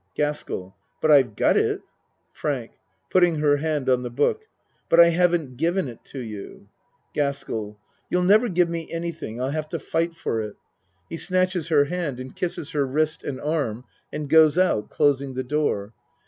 GASKELL But I've got it. FRANK (Putting her hand on the book.) But I haven't given it to you. GASKELL You'll never give me anything. I'll have to fight for it. (He snatches her hand and kisses her wrist and arm and goes out closing the door.